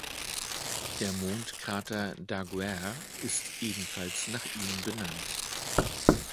Der Mondkrater Daguerre ist ebenfalls nach ihm benannt.